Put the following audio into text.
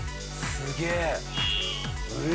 すげえ！